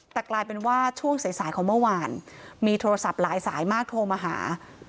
แต่กลายเป็นว่าช่วงสายสายของเมื่อวานมีโทรศัพท์หลายสายมากโทรมาหา